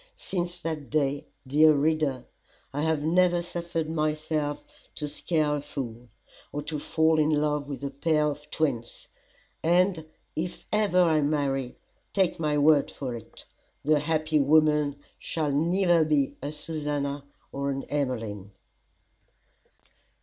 Since that day, dear reader, I have never suffered myself to scare a fool, or to fall in love with a pair of twins; and if ever I marry, take my word for it, the happy woman shall neither be a Susannah, nor an Emmeline.